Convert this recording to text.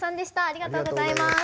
ありがとうございます。